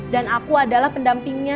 dan aku adalah pendampingnya